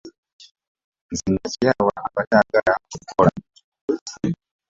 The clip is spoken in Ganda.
Nze nakyawa abatayagala kukola.